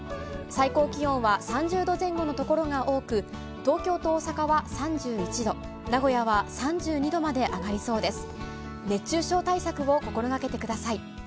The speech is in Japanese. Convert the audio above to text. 最高気温は３０度前後の所が多く、東京と大阪は３１度、名古屋は３２度まで上がりそうです。